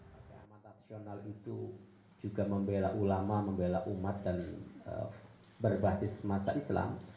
partai ahmad taksional itu juga membela ulama membela umat dan berbasis masa islam